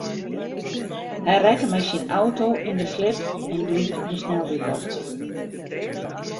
Hy rekke mei syn auto yn in slip en glied de sneldyk op.